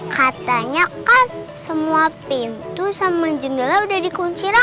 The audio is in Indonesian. katanya kan semua pintu sama jendela udah dikunci